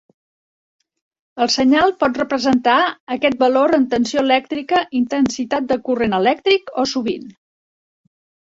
El senyal pot representar aquest valor en tensió elèctrica, intensitat de corrent elèctric o sovint.